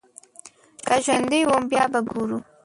که ژوندی وم بيا به ګورو.